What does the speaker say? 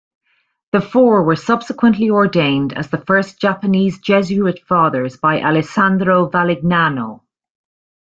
The four were subsequently ordained as the first Japanese Jesuit fathers by Alessandro Valignano.